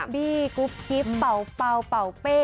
บี้กูปฮิปเบาเป้